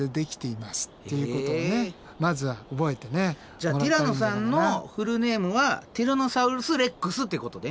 じゃあティラノさんのフルネームはティラノサウルス・レックスってことね。